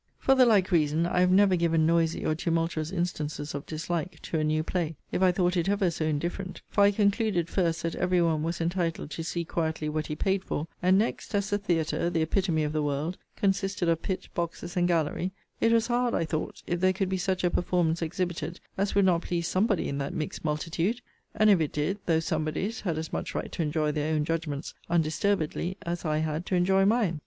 For the like reason I have never given noisy or tumultuous instances of dislike to a new play, if I thought it ever so indifferent: for I concluded, first, that every one was entitled to see quietly what he paid for: and, next, as the theatre (the epitome of the world) consisted of pit, boxes, and gallery, it was hard, I thought, if there could be such a performance exhibited as would not please somebody in that mixed multitude: and, if it did, those somebodies had as much right to enjoy their own judgments, undisturbedly, as I had to enjoy mine.